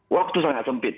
waktu sangat sempit